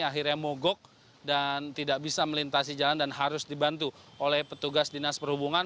akhirnya mogok dan tidak bisa melintasi jalan dan harus dibantu oleh petugas dinas perhubungan